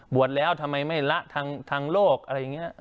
บวชแล้วทำไมไม่ละทางทางโลกอะไรอย่างเงี้ย